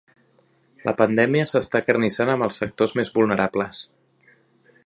La pandèmia s'està acarnissant amb els sectors més vulnerables.